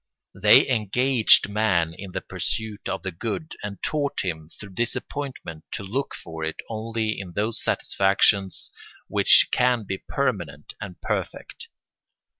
They engaged man in the pursuit of the good and taught him, through disappointment, to look for it only in those satisfactions which can be permanent and perfect.